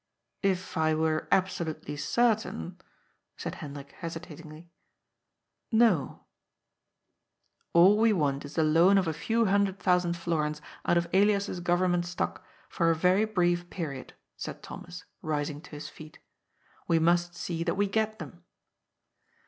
"If I were absolutely certain," said Hendrik hesitat ingly. " No." " All we want is the loan of a few hundred thousand florins out of Elias's Government Stock for a very brief period," said Thomas, rising to his feet. "We must see that we get them."